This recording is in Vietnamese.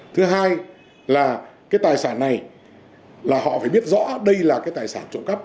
thứ hai là cái tài sản này là họ phải biết rõ đây là cái tài sản trộm cắp